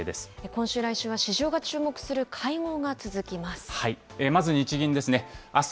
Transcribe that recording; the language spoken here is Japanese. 今週、来週は市場が注目する会合が続きます。